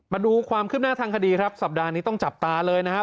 มาดูความคืบหน้าทางคดีครับสัปดาห์นี้ต้องจับตาเลยนะครับ